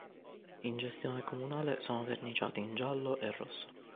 In gestione comunale sono verniciati in giallo e rosso.